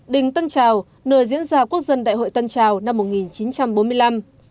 đình tân trào nơi diễn ra quốc dân đại hội tân trào năm một nghìn chín trăm bốn mươi năm